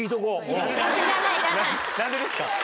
何でですか？